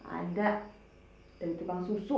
ada dari tepang susu